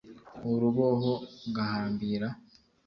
uruboho ugahambira